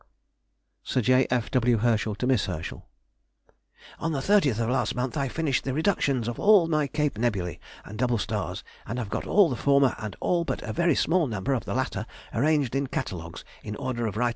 SIR J. F. W. HERSCHEL TO MISS HERSCHEL. ... On the 30th of last month I finished the reductions of all my Cape nebulæ and double stars, and have got all the former and all but a very small number of the latter arranged in catalogues in order of Rt.